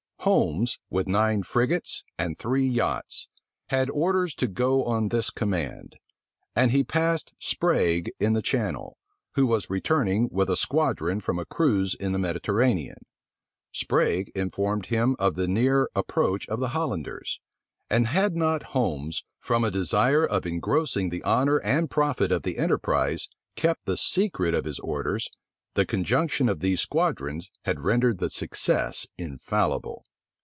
Holmes, with nine frigates and three yachts, had orders to go on this command; and he passed Sprague in the Channel, who was returning with a squadron from a cruize in the Mediterranean. Sprague informed him of the near approach of the Hollanders; and had not Holmes, from a desire of engrossing the honor and profit of the enterprise, kept the secret of his orders, the conjunction of these squadrons had rendered the success infallible.